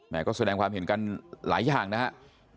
ก็แสดงความเห็นกันหลายอย่างนะครับ